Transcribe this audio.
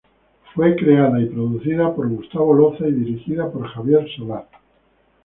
Fue creada y producida por Gustavo Loza y dirigida por Javier Solar.